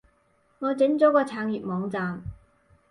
我整咗個撐粵網站